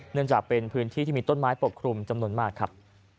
เนื่องจากเป็นพื้นที่ที่มีต้นไม้ปกคลุมจำนวนมากครับ